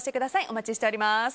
お待ちしております。